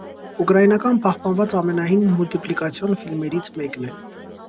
Ուկրաինական պահպանված ամենահին մուլտիպլիկացիոն ֆիլմերից մեկն է։